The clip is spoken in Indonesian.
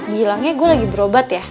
bilangnya gue lagi berobat ya